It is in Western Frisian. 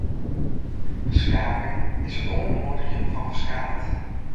Beskaving is it oanmoedigjen fan ferskaat.